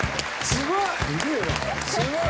すごいな！